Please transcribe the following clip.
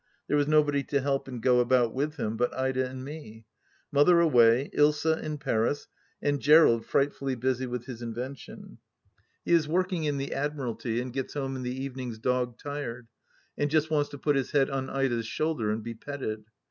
There was nobody to help and go about with him but Ida and me. Mother away, Ilsa in Paris, and Gerald frightfully busy with his invention. He is working in 11 162 THE LAST DITCH the Admiralty, and gets home in the evenings dog tired, and just wants to put his head on Ida's shoulder and be petted.